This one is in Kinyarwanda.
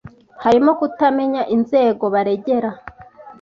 harimo kutamenya inzego baregera,